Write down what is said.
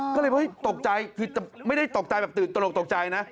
ก็เลยตกใจไม่ได้ตกใจแบบตลกตกใจนะ